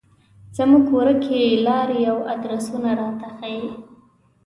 زموږ ورکې لارې او ادرسونه راته ښيي.